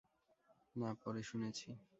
না, পরে শুনেছি।